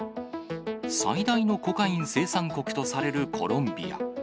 最大のコカイン生産国とされるコロンビア。